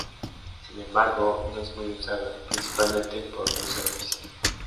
Sin embargo, no es muy usada, principalmente por no ser oficial.